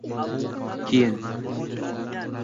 Keyin